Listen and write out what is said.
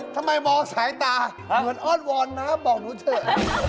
ทำไมมองสายตาเหมือนอ้อนวอนนะบอกหนูเถอะ